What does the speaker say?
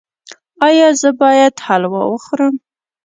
ایا زه باید حلوا وخورم؟